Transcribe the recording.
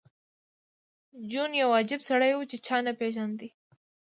جون یو عجیب سړی و چې چا نه پېژانده